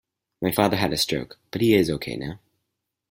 My father had a stroke, but he is ok now.